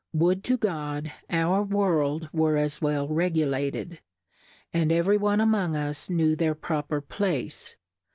Would to God, our World were as well regulated, and eve ry one among us knew their proper Place.